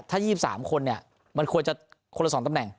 ถ้ายี่สิบสามคนเนี้ยมันควรจะคนละสองตำแหน่ง